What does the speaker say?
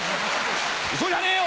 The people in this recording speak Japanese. ウソじゃねえよ！